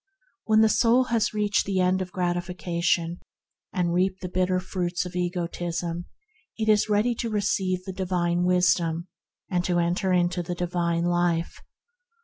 When the soul has reached the end of gratification and reaped the bitter fruits of egotism, it is ready to receive the Divine Wisdom and to enter into the Divine Life.